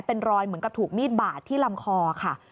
เป็นรอยเหมือนกับถูกมีดบาดที่ลำคอค่ะ